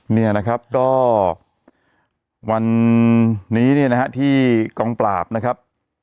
เนี่ยนะครับก็วันนี้เนี่ยนะฮะที่กองปราบนะครับ